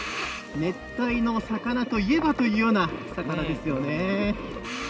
熱帯の魚といえばというような魚ですよね。